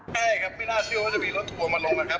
ใช่ครับไม่น่าเชื่อว่าจะมีรถทัวร์มาลงนะครับ